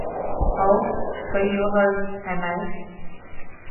好，佢要去，係咪？